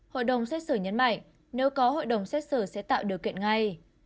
hội đồng xét xử nhấn mạnh nếu có hội đồng xét xử sẽ tạo điều kiện ngay